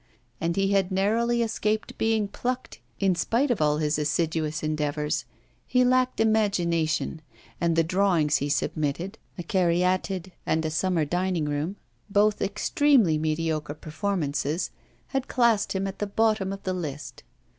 And he had narrowly escaped being plucked in spite of all his assiduous endeavours. He lacked imagination, and the drawings he submitted, a caryatide and a summer dining room, both extremely mediocre performances, had classed him at the bottom of the list.